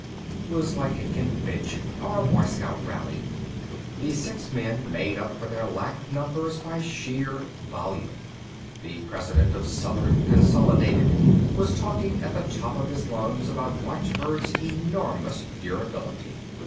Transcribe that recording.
It was like a convention, or a Boy Scout rally. The six men made up for their lack of numbers by sheer volume. The president of Southern Consolidated was talking at the top of his lungs about watchbird's enormous durability.